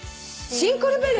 「シンクルベル」